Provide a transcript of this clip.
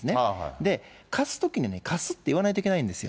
で、貸すときにね、貸すって言わないといけないんですよ。